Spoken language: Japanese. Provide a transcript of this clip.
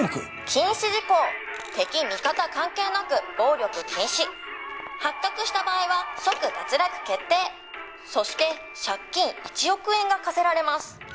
「禁止事項敵味方関係なく暴力禁止」「発覚した場合は即脱落決定」「そして借金１億円が課せられます」